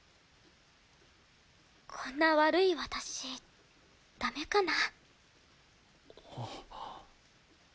こんな悪い私ダメかな？